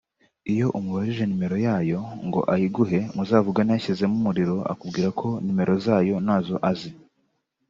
Iyo umubajije nimero yayo ngo ayiguhe muzavugane yashyizemo umuriro akubwira ko nimero zayo ntazo azi